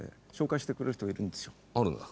あるんだ。